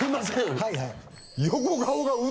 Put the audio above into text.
はいはい。